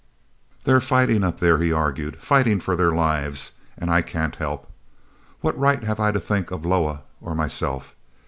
"They're fighting up there," he argued, "fighting for their lives, and I can't help. What right have I to think of Loah or myself?"